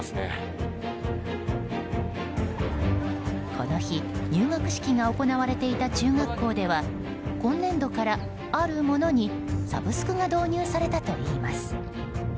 この日入学式が行われていた中学校では今年度から、あるものにサブスクが導入されたといいます。